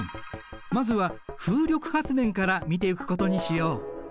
まずは風力発電から見ていくことにしよう。